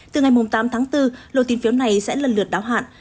từ ngày tám tháng bốn lô tín phiếu này sẽ lần lượt đáo hạn